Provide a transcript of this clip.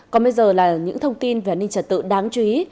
còn bây giờ là những thông tin về an ninh trật tự đáng chú ý